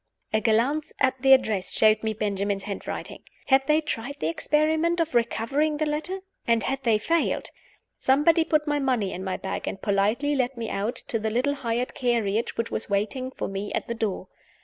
A glance at the address showed me Benjamin's handwriting. Had they tried the experiment of recovering the letter? and had they failed? Somebody put my money in my bag, and politely led me out to the little hired carriage which was waiting for me at the door.